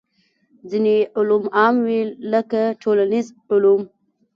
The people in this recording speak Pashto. ځینې علوم عام وي لکه ټولنیز علوم.